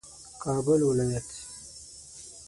کابل ولایت